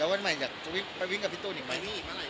แล้ววันใหม่อยากจะไปวิ่งกับพี่ตูหนึ่งไหม